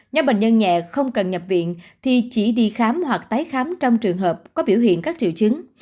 nhóm bệnh nhân nhẹ không cần nhập viện thì chỉ đi khám hoặc tái khám trong trường hợp có biểu hiện các triệu chứng